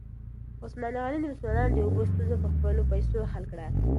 عثمان غني د مسلمانانو د اوبو ستونزه په خپلو پیسو حل کړه.